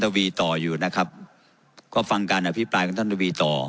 วีต่ออยู่นะครับก็ฟังการอภิปรายของท่านทวีต่อ